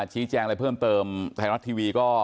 ชี้แจงอะไรเพิ่มเติมไทยรัฐทีวีก็